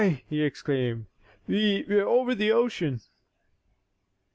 he exclaimed. "We we're over the ocean."